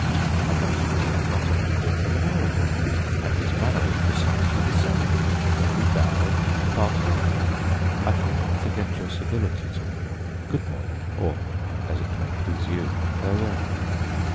I met him again not a quarter of an hour ago, and his manner was precisely the same: he merely bowed and passed on. I shall not soon forget your civility to me. Good morning, or—as it may please you—farewell.